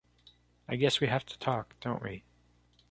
I guess we have to talk, don’t we?